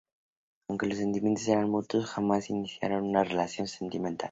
Aunque los sentimientos eran mutuos, jamás iniciaron una relación sentimental.